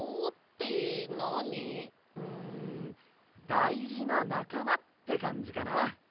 だいじななかまってかんじかな。